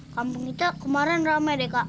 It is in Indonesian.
kampung kita kemarin ramai deh kak